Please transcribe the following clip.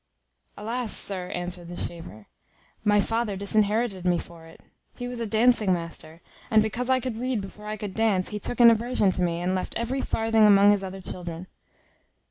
"Alas! sir," answered the shaver, "my father disinherited me for it. He was a dancing master; and because I could read before I could dance, he took an aversion to me, and left every farthing among his other children.